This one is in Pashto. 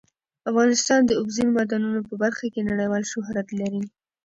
افغانستان د اوبزین معدنونه په برخه کې نړیوال شهرت لري.